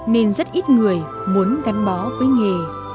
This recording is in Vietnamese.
nên rất ít người muốn đánh bó với nghề